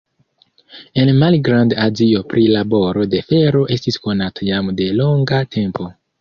En Malgrand-Azio prilaboro de fero estis konata jam de longa tempo.